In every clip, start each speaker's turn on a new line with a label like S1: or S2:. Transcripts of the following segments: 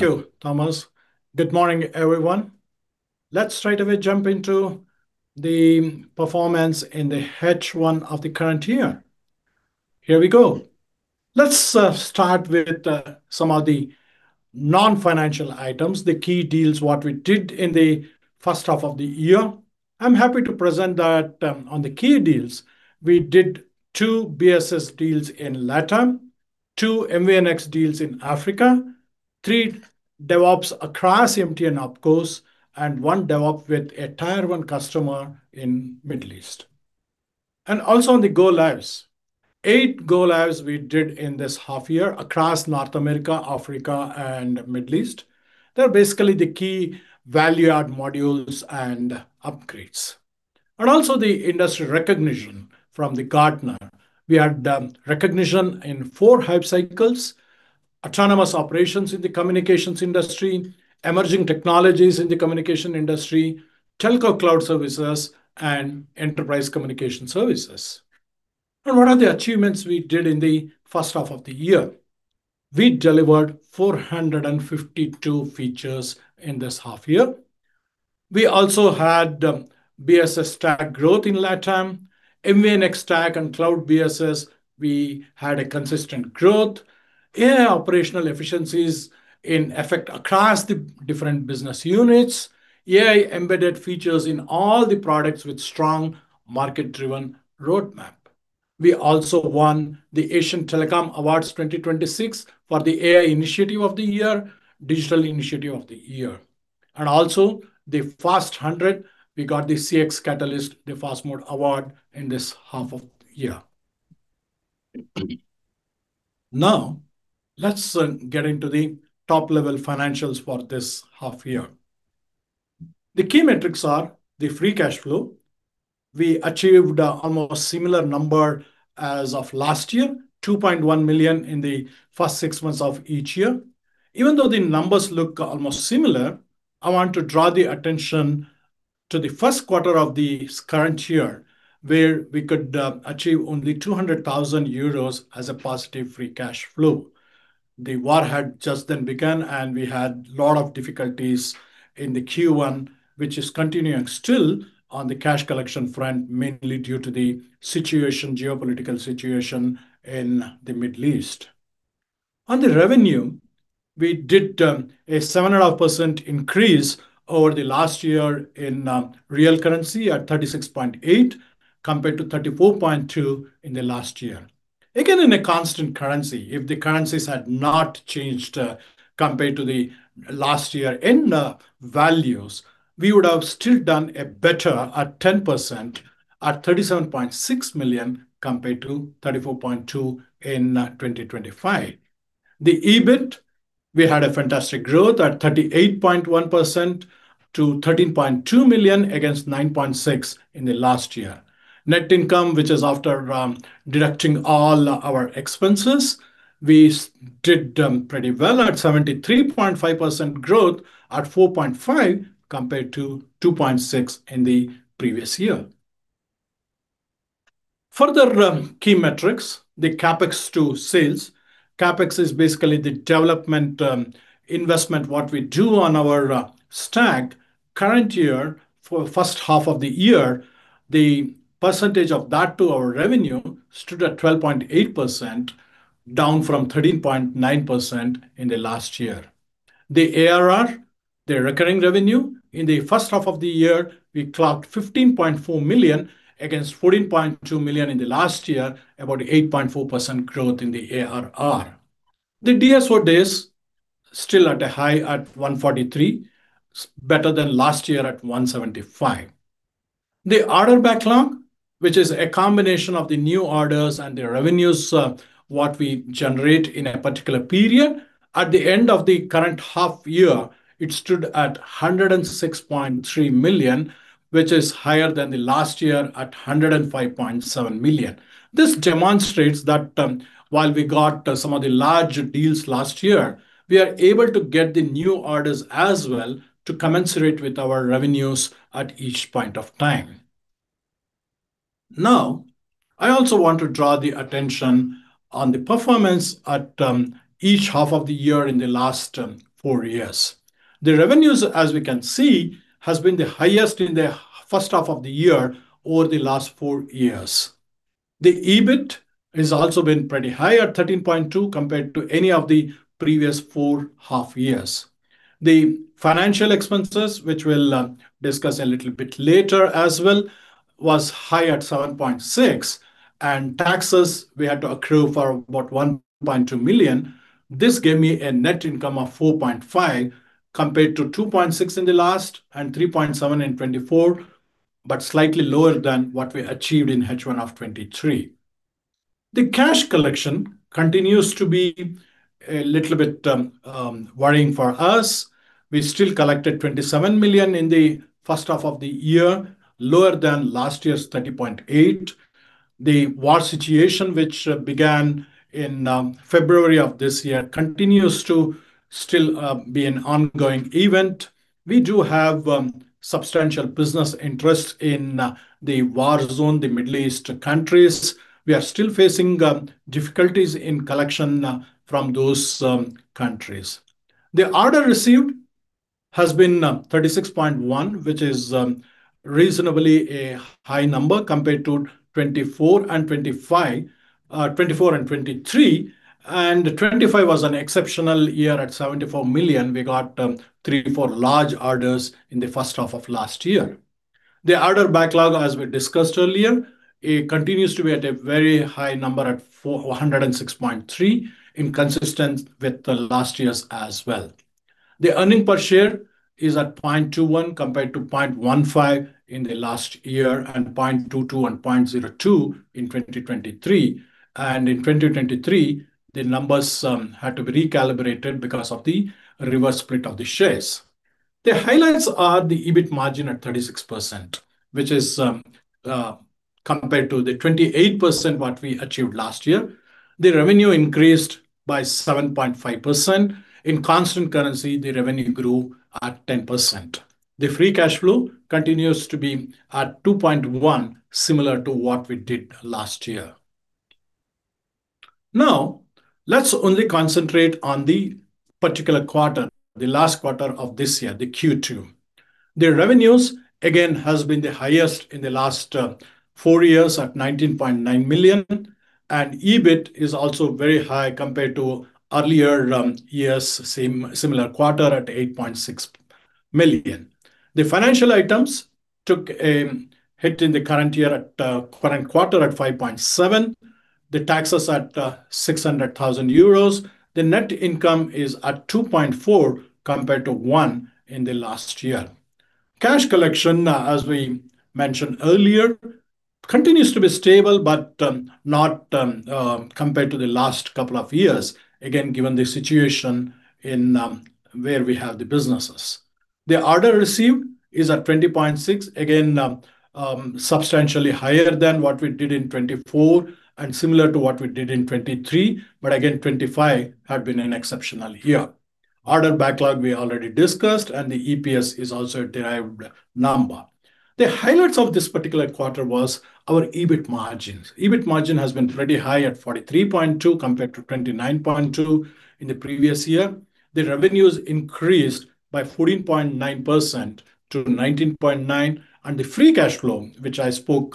S1: Thank you, Thomas. Good morning, everyone. Let's straight away jump into the performance in the H1 of the current year. Here we go. Let's start with some of the non-financial items, the key deals, what we did in the first half of the year. I'm happy to present that on the key deals. We did two BSS deals in LatAm, two MVNX deals in Africa, three DevOps across MTN Opcos, and one DevOps with a tier 1 customer in Middle East. Also, on the go-lives, eight go-lives we did in this half year across North America, Africa, and Middle East. They're basically the key value-add modules and upgrades. Also, the industry recognition from the Gartner. We had recognition in four Hype Cycles, autonomous operations in the communications industry, emerging technologies in the communication industry, telco cloud services, and enterprise communication services. What are the achievements we did in the first half of the year? We delivered 452 features in this half year. We also had BSS stack growth in LatAm, MVNX stack and cloud BSS, we had a consistent growth. AI operational efficiencies in effect across the different business units. AI embedded features in all the products with strong market-driven roadmap. We also won the Asian Telecom Awards 2026 for the AI Initiative of the Year, Digital Initiative of the Year. Also the Fast 100, we got the CX Catalyst, The Fast Mode award in this half of year. Now, let's get into the top-level financials for this half year. The key metrics are the free cash flow. We achieved almost similar number as of last year, 2.1 million in the first six months of each year. Even though the numbers look almost similar, I want to draw the attention to the first quarter of the current year, where we could achieve only 200,000 euros as a positive free cash flow. The war had just then begun. We had lot of difficulties in the Q1, which is continuing still on the cash collection front, mainly due to the geopolitical situation in the Middle East. On the revenue, we did a 7.5% increase over the last year in real currency at 36.8 million, compared to 34.2 million in the last year. Again, in a constant currency, if the currencies had not changed, compared to the last year end values, we would have still done a better at 10% at 37.6 million compared to 34.2 million in 2025. The EBIT, we had a fantastic growth at 38.1% to 13.2 million against 9.6 million in the last year. Net income, which is after deducting all our expenses. We did pretty well at 73.5% growth at 4.5 million, compared to 2.6 million in the previous year. Further key metrics, the CapEx to sales. CapEx is basically the development investment, what we do on our stack. Current year, for first half of the year, the percentage of that to our revenue stood at 12.8%, down from 13.9% in the last year. The ARR, the recurring revenue, in the first half of the year, we clocked 15.4 million against 14.2 million in the last year, about 8.4% growth in the ARR. The DSO days, still at a high at 143, better than last year at 175. The order backlog, which is a combination of the new orders and the revenues, what we generate in a particular period. At the end of the current half year, it stood at 106.3 million, which is higher than the last year at 105.7 million. This demonstrates that while we got some of the large deals last year, we are able to get the new orders as well to commensurate with our revenues at each point of time. I also want to draw the attention on the performance at each half of the year in the last four years. The revenues, as we can see, has been the highest in the first half of the year over the last four years. The EBIT has also been pretty high at 13.2 compared to any of the previous four half years. The financial expenses, which we will discuss a little bit later as well, was high at 7.6. Taxes, we had to accrue for about 1.2 million. This gave me a net income of 4.5 compared to 2.6 in the last and 3.7 in 2024, but slightly lower than what we achieved in H1 of 2023. The cash collection continues to be a little bit worrying for us. We still collected 27 million in the first half of the year, lower than last year's 30.8. The war situation, which began in February of this year, continues to still be an ongoing event. We do have substantial business interests in the war zone, the Middle East countries. We are still facing difficulties in collection from those countries. The order received has been 36.1, which is reasonably a high number compared to 2024 and 2023, and 2025 was an exceptional year. At 74 million, we got three to four large orders in the first half of last year. The order backlog, as we discussed earlier, it continues to be at a very high number at 106.3, consistent with the last year's as well. The earning per share is at 0.21 compared to 0.15 in the last year, and 0.22 and 0.02 in 2023. In 2023, the numbers had to be recalibrated because of the reverse split of the shares. The highlights are the EBIT margin at 36%, which is compared to the 28% what we achieved last year. The revenue increased by 7.5%. In constant currency, the revenue grew at 10%. The free cash flow continues to be at 2.1, similar to what we did last year. Let's only concentrate on the particular quarter, the last quarter of this year, the Q2. The revenues, again, has been the highest in the last four years at 19.9 million, and EBIT is also very high compared to earlier years, similar quarter at 8.6 million. The financial items took a hit in the current quarter at 5.7. The tax is at 600,000 euros. The net income is at 2.4 compared to 1 in the last year. Cash collection, as we mentioned earlier, continues to be stable, but not compared to the last couple of years, again, given the situation in where we have the businesses. The order received is at 20.6. Substantially higher than what we did in 2024 and similar to what we did in 2023. But again, 2025 had been an exceptional year. Order backlog, we already discussed, and the EPS is also a derived number. The highlights of this particular quarter was our EBIT margins. EBIT margin has been very high at 43.2% compared to 29.2% in the previous year. The revenues increased by 14.9% to 19.9 million, and the free cash flow, which I spoke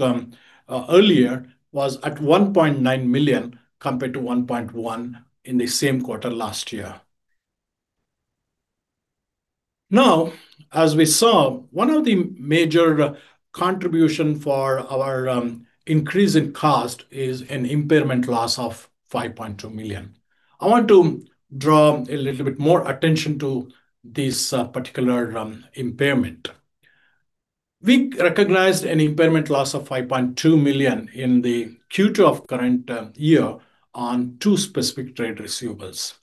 S1: earlier, was at 1.9 million compared to 1.1 million in the same quarter last year. As we saw, one of the major contribution for our increase in cost is an impairment loss of 5.2 million. I want to draw a little bit more attention to this particular impairment. We recognized an impairment loss of 5.2 million in the Q2 of current year on two specific trade receivables.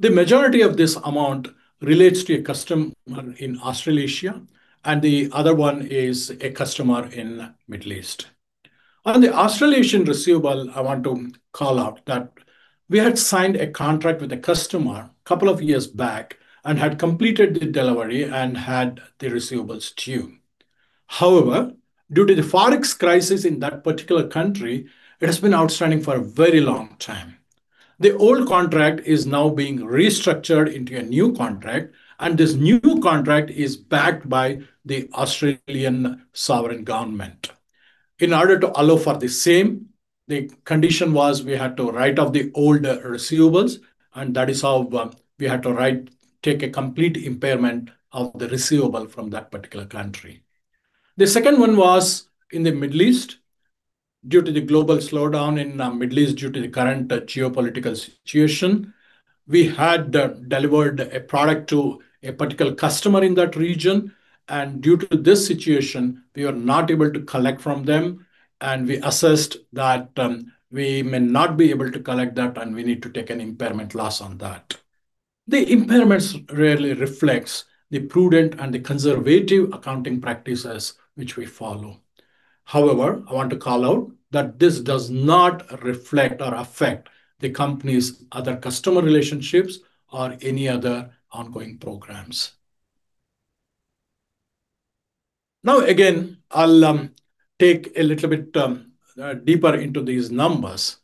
S1: The majority of this amount relates to a customer in Australasia, and the other one is a customer in Middle East. On the Australasian receivable, I want to call out that we had signed a contract with a customer a couple of years back and had completed the delivery and had the receivables due. However, due to the ForEx crisis in that particular country, it has been outstanding for a very long time. The old contract is now being restructured into a new contract, and this new contract is backed by the Australian sovereign government. In order to allow for the same, the condition was we had to write off the old receivables, and that is how we had to take a complete impairment of the receivable from that particular country. The second one was in the Middle East. Due to the global slowdown in Middle East, due to the current geopolitical situation, we had delivered a product to a particular customer in that region, and due to this situation, we were not able to collect from them, and we assessed that we may not be able to collect that, and we need to take an impairment loss on that. The impairments really reflects the prudent and the conservative accounting practices which we follow. However, I want to call out that this does not reflect or affect the company's other customer relationships or any other ongoing programs. Again, I'll take a little bit deeper into these numbers.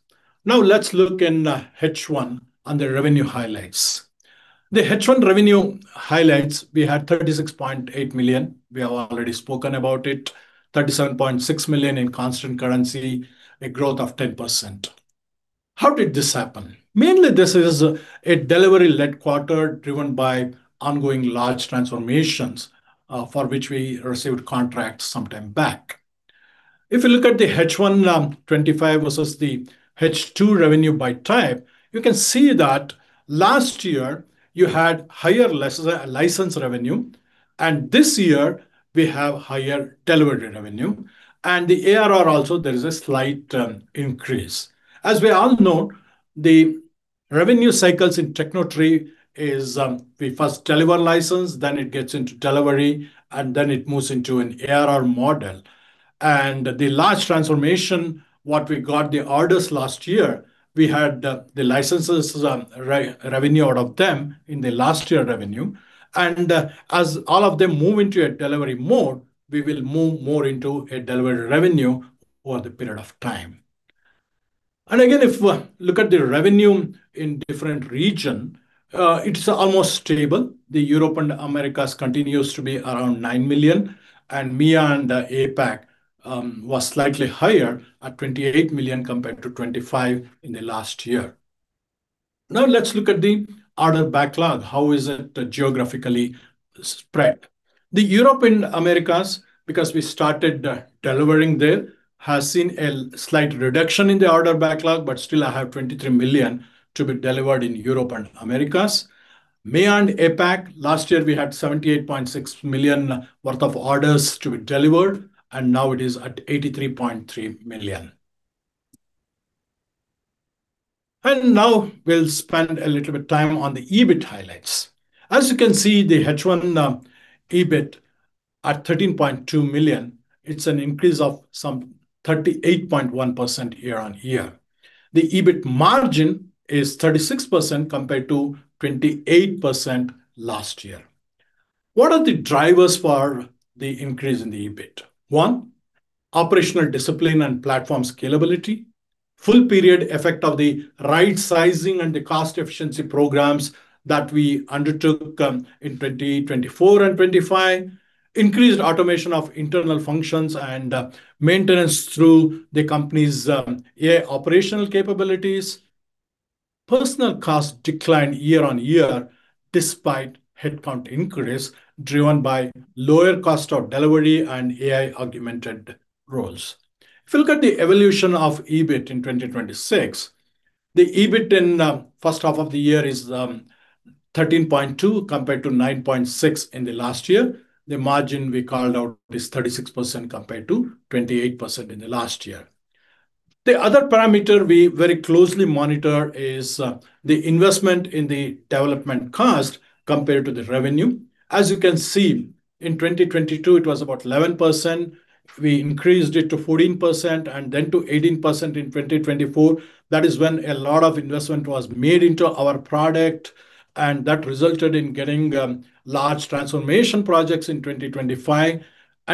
S1: Let's look in H1 on the revenue highlights. The H1 revenue highlights, we had 36.8 million. We have already spoken about it. 37.6 million in constant currency, a growth of 10%. How did this happen? Mainly, this is a delivery-led quarter driven by ongoing large transformations, for which we received contracts sometime back. If you look at the H1 2025 versus the H2 revenue by type, you can see that last year you had higher license revenue, and this year we have higher delivery revenue, and the ARR also, there is a slight increase. As we all know, the revenue cycles in Tecnotree is we first deliver license, then it gets into delivery, and then it moves into an ARR model. The large transformation, what we got the orders last year, we had the licenses revenue out of them in the last year revenue. As all of them move into a delivery mode, we will move more into a delivery revenue Over the period of time. Again, if look at the revenue in different region, it's almost stable. The Europe and Americas continues to be around 9 million. MEA and the APAC was slightly higher at 28 million compared to 25 in the last year. Let's look at the order backlog. How is it geographically spread? The Europe and Americas, because we started delivering there, has seen a slight reduction in the order backlog, but still have 23 million to be delivered in Europe and Americas. MEA and APAC, last year we had 78.6 million worth of orders to be delivered. It is at 83.3 million. We'll spend a little bit of time on the EBIT highlights. As you can see, the H1 EBIT at 13.2 million. It's an increase of some 38.1% year-on-year. The EBIT margin is 36% compared to 28% last year. What are the drivers for the increase in the EBIT? One, operational discipline and platform scalability. Full period effect of the right-sizing and the cost efficiency programs that we undertook in 2024 and 2025. Increased automation of internal functions and maintenance through the company's AI operational capabilities. Personnel cost declined year-on-year, despite headcount increase, driven by lower cost of delivery and AI-augmented roles. If you look at the evolution of EBIT in 2026, the EBIT in first half of the year is 13.2 compared to 9.6 in the last year. The margin we called out is 36% compared to 28% in the last year. The other parameter we very closely monitor is the investment in the development cost compared to the revenue. As you can see, in 2022 it was about 11%. We increased it to 14% and then to 18% in 2024. That is when a lot of investment was made into our product. That resulted in getting large transformation projects in 2025.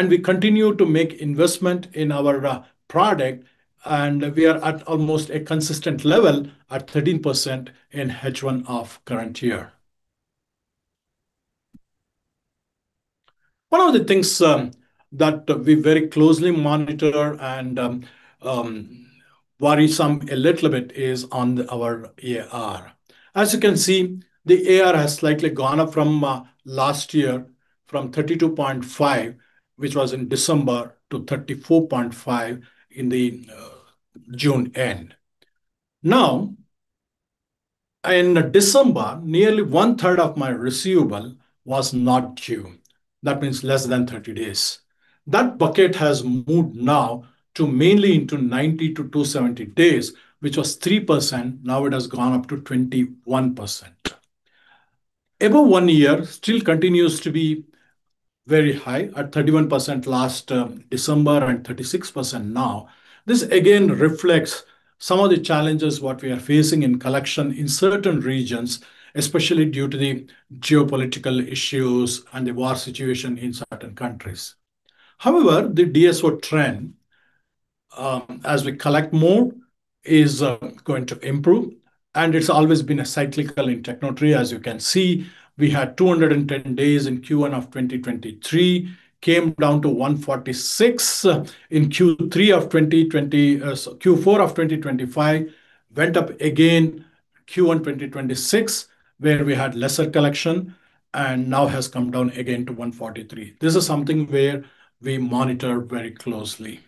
S1: We continue to make investment in our product. We are at almost a consistent level at 13% in H1 of current year. One of the things that we very closely monitor and worry some a little bit is on our AR. As you can see, the AR has slightly gone up from last year from 32.5, which was in December, to 34.5 in the June-end. In December, nearly one third of my receivable was not due. That means less than 30 days. That bucket has moved to mainly into 90-270 days, which was 3%. It has gone up to 21%. Above one year still continues to be very high at 31% last December and 36% now. This again reflects some of the challenges what we are facing in collection in certain regions, especially due to the geopolitical issues and the war situation in certain countries. However, the DSO trend, as we collect more, is going to improve, and it's always been cyclical in Tecnotree. As you can see, we had 210 days in Q1 of 2023, came down to 146 in Q4 of 2025. Went up again Q1 2026, where we had lesser collection. It has come down again to 143. This is something where we monitor very closely.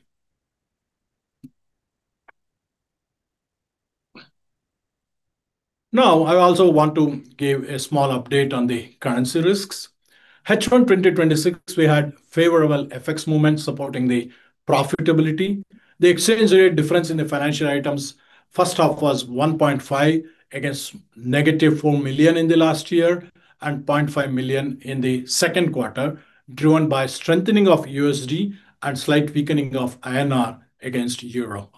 S1: I also want to give a small update on the currency risks. H1 2026, we had favorable FX movements supporting the profitability. The exchange rate difference in the financial items first half was 1.5 million against negative 4 million in the last year and 0.5 million in the second quarter, driven by strengthening of USD and slight weakening of INR against euro.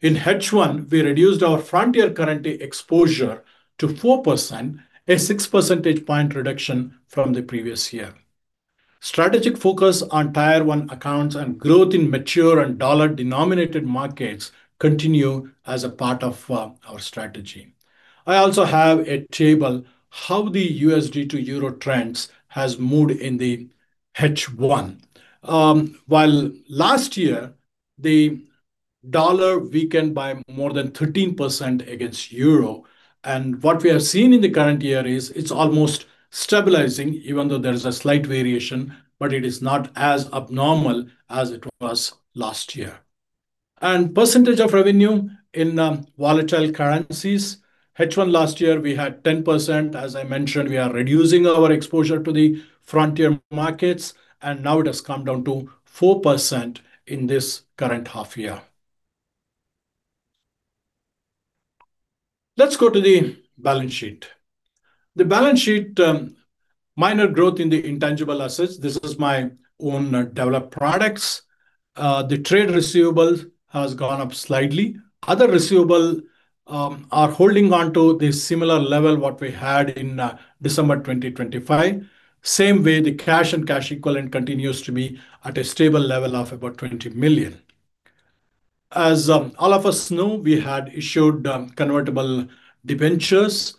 S1: In H1, we reduced our frontier currency exposure to 4%, a 6-percentage point reduction from the previous year. Strategic focus on Tier 1 accounts and growth in mature and dollar-denominated markets continue as a part of our strategy. I also have a table how the USD to Euro trends has moved in the H1. While last year, the dollar weakened by more than 13% against euro. What we have seen in the current year is it's almost stabilizing, even though there is a slight variation, but it is not as abnormal as it was last year. Percentage of revenue in volatile currencies, H1 last year, we had 10%. As I mentioned, we are reducing our exposure to the frontier markets, now it has come down to 4% in this current half year. Let's go to the balance sheet. The balance sheet, minor growth in the intangible assets. This is my own developed products. The trade receivables has gone up slightly. Other receivable are holding onto the similar level what we had in December 2025. Same way, the cash and cash equivalent continues to be at a stable level of about 20 million. As all of us know, we had issued convertible debentures,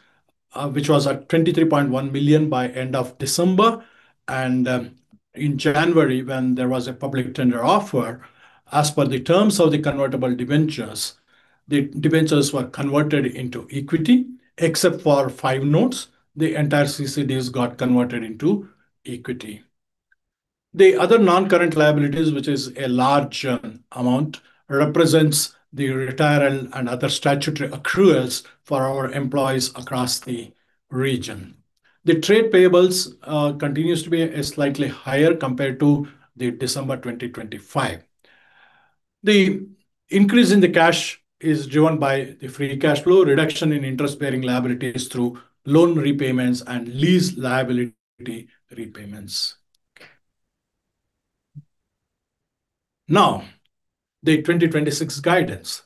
S1: which was at 23.1 million by end of December. In January, when there was a public tender offer, as per the terms of the convertible debentures, the debentures were converted into equity. Except for five notes, the entire CCDs got converted into equity. The other non-current liabilities, which is a large amount, represents the retirement and other statutory accruals for our employees across the region. The trade payables continues to be slightly higher compared to the December 2025. The increase in the cash is driven by the free cash flow reduction in interest-bearing liabilities through loan repayments and lease liability repayments. Now, the 2026 guidance.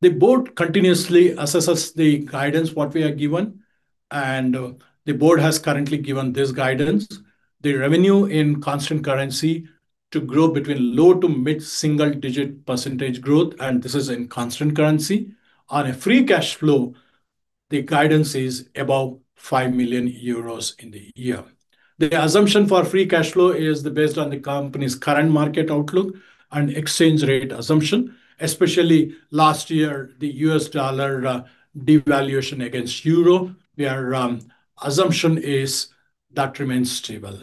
S1: The board continuously assesses the guidance, what we are given, the board has currently given this guidance. The revenue in constant currency to grow between low to mid-single digit percentage growth, and this is in constant currency. On a free cash flow, the guidance is above 5 million euros in the year. The assumption for free cash flow is based on the company's current market outlook and exchange rate assumption. Especially last year, the US dollar devaluation against euro, their assumption is that remains stable.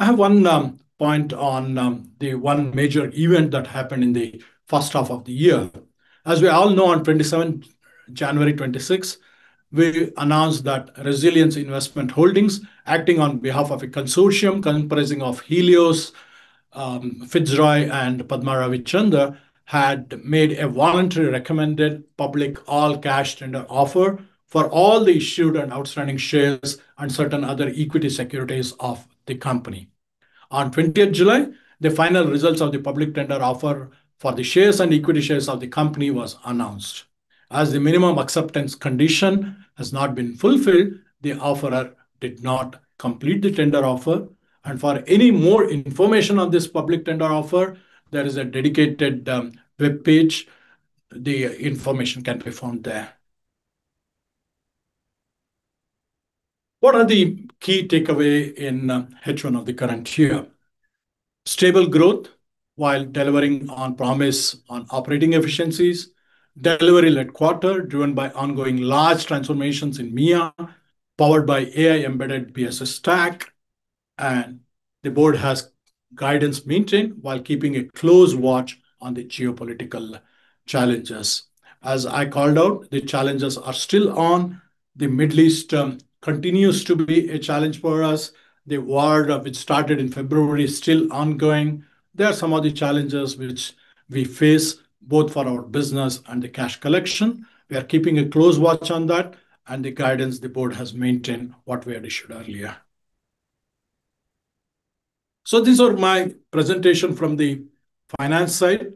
S1: I have one point on the one major event that happened in the first half of the year. As we all know, on 27 January 2026, we announced that Resilience Investment Holdings, acting on behalf of a consortium comprising of Helios, Fitzroy, and Padma Ravichander, had made a voluntary recommended public all-cash tender offer for all the issued and outstanding shares and certain other equity securities of the company. On 20th July, the final results of the public tender offer for the shares and equity shares of the company was announced. As the minimum acceptance condition has not been fulfilled, the offeror did not complete the tender offer. For any more information on this public tender offer, there is a dedicated webpage. The information can be found there. What are the key takeaway in H1 of the current year? Stable growth while delivering on promise on operating efficiencies. Delivery-led quarter driven by ongoing large transformations in MEA, powered by AI-embedded BSS stack. The board has guidance maintained while keeping a close watch on the geopolitical challenges. As I called out, the challenges are still on. The Middle East continues to be a challenge for us. The war which started in February is still ongoing. There are some of the challenges which we face both for our business and the cash collection. We are keeping a close watch on that and the guidance the board has maintained what we had issued earlier. These are my presentation from the finance side.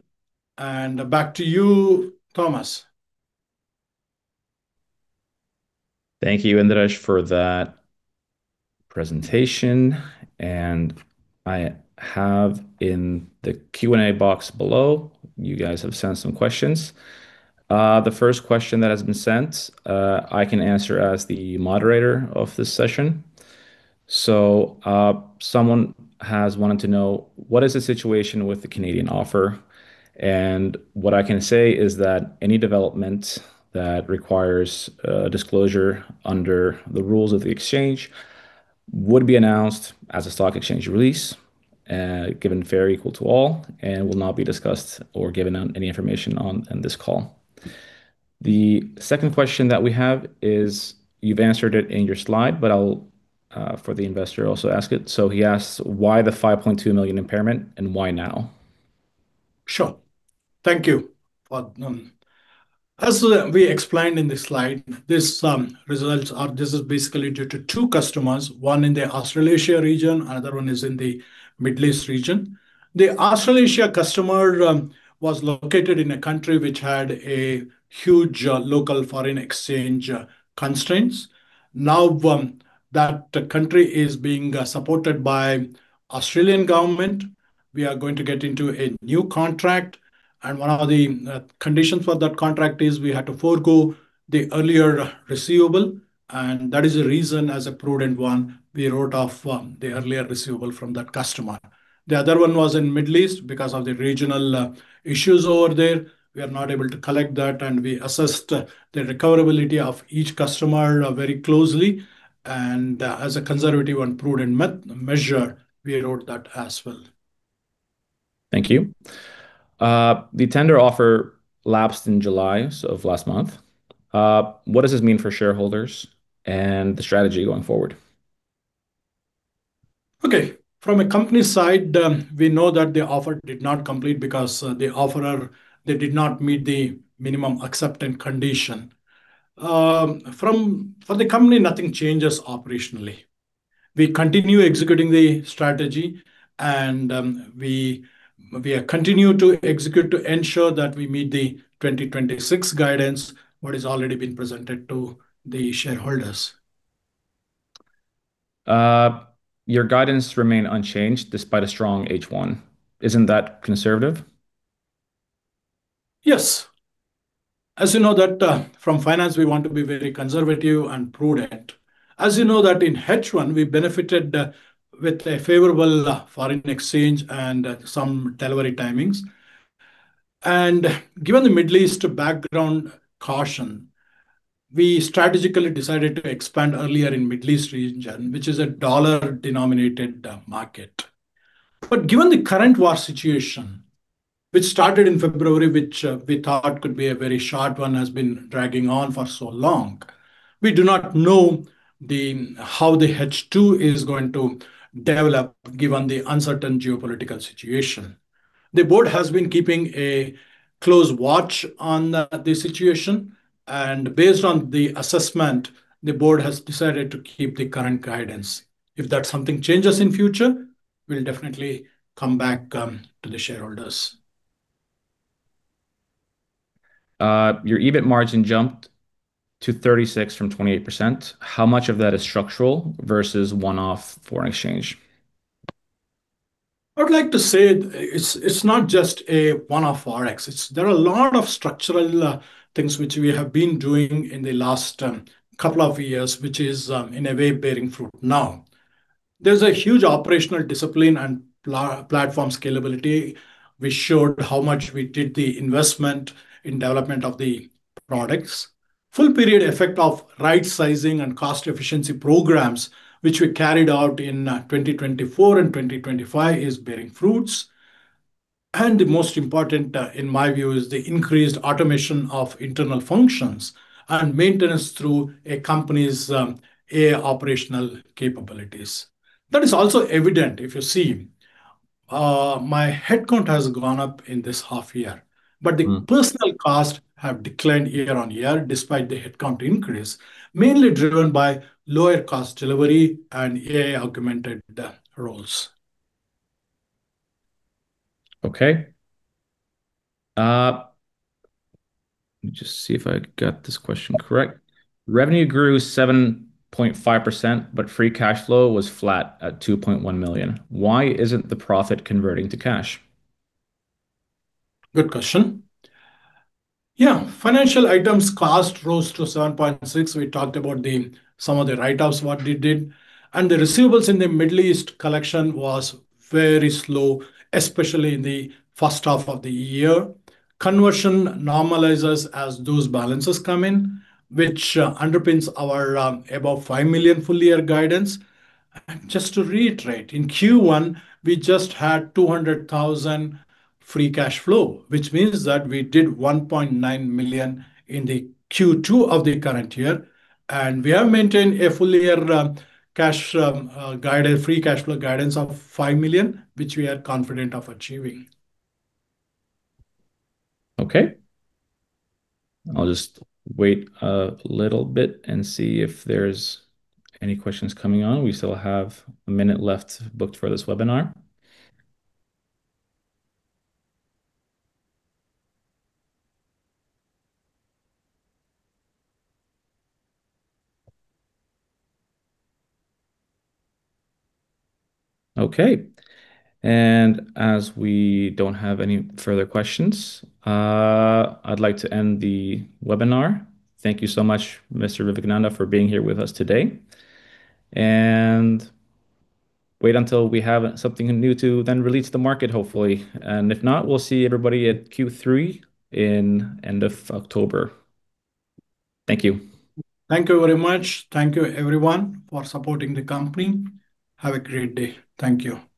S1: Back to you, Thomas.
S2: Thank you, Indiresh, for that presentation. I have in the Q&A box below, you guys have sent some questions. The first question that has been sent, I can answer as the moderator of this session. Someone has wanted to know, what is the situation with the Canadian offer? What I can say is that any development that requires disclosure under the rules of the exchange would be announced as a stock exchange release, given fair equal to all, and will not be discussed or given out any information on this call. The second question that we have is, you've answered it in your slide, but I'll for the investor also ask it. He asks: why the 5.2 million impairment and why now?
S1: Sure. Thank you. As we explained in the slide, these results are basically due to two customers, one in the Australasia region, another one is in the Middle East region. The Australasia customer was located in a country which had huge local foreign exchange constraints. Now that the country is being supported by Australian government, we are going to get into a new contract, and one of the conditions for that contract is we had to forego the earlier receivable, and that is a reason, as a prudent one, we wrote off the earlier receivable from that customer. The other one was in Middle East. Because of the regional issues over there, we are not able to collect that, and we assessed the recoverability of each customer very closely, and as a conservative and prudent measure, we wrote that as well.
S2: Thank you. The tender offer lapsed in July, of last month. What does this mean for shareholders and the strategy going forward?
S1: From a company side, we know that the offer did not complete because the offeror, they did not meet the minimum acceptance condition. For the company, nothing changes operationally. We continue executing the strategy, and we continue to execute to ensure that we meet the 2026 guidance, what has already been presented to the shareholders.
S2: Your guidance remain unchanged despite a strong H1. Isn't that conservative?
S1: Yes, as you know that from finance, we want to be very conservative and prudent. As you know that in H1, we benefited with a favorable foreign exchange and some delivery timings. Given the Middle East background caution, we strategically decided to expand earlier in Middle East region, which is a dollar-denominated market. Given the current war situation, which started in February, which we thought could be a very short one, has been dragging on for so long. We do not know how the H2 is going to develop given the uncertain geopolitical situation. The Board has been keeping a close watch on the situation, and based on the assessment, the Board has decided to keep the current guidance. If that something changes in future, we'll definitely come back to the shareholders.
S2: Your EBIT margin jumped to 36% from 28%. How much of that is structural versus one-off foreign exchange?
S1: I'd like to say it's not just a one-off ForEx. There are a lot of structural things which we have been doing in the last couple of years, which is, in a way, bearing fruit now. There's a huge operational discipline and platform scalability, which showed how much we did the investment in development of the products. Full period effect of right sizing and cost efficiency programs, which we carried out in 2024 and 2025, is bearing fruits. The most important, in my view, is the increased automation of internal functions and maintenance through a company's AI operational capabilities. That is also evident if you see. My headcount has gone up in this half year. But the personal cost has declined year-on-year despite the headcount increase, mainly driven by lower cost delivery and AI-augmented roles.
S2: Okay. Let me just see if I got this question correct. Revenue grew 7.5%, but free cash flow was flat at 2.1 million. Why isn't the profit converting to cash?
S1: Good question. Yeah. Financial items cost rose to 7.6 million. The receivables in the Middle East collection was very slow, especially in the first half of the year. Conversion normalizes as those balances come in, which underpins our above 5 million full-year guidance. Just to reiterate, in Q1, we just had 200,000 free cash flow, which means that we did 1.9 million in the Q2 of the current year. We have maintained a full-year free cash flow guidance of 5 million, which we are confident of achieving.
S2: Okay. I'll just wait a little bit and see if there's any questions coming on. We still have a minute left booked for this webinar. Okay. As we don't have any further questions, I'd like to end the webinar. Thank you so much, Mr. Vivekananda, for being here with us today. Wait until we have something new to then release to the market, hopefully. If not, we'll see everybody at Q3 in end of October. Thank you.
S1: Thank you very much. Thank you, everyone, for supporting the company. Have a great day. Thank you.
S2: Bye-bye.